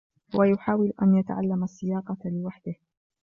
هو يحاول أن يتعلّم السياقة لوحده.